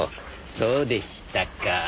そうでしたか。